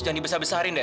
jangan dibesarin deh